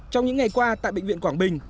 trong những ngày qua tại bệnh viện quảng bình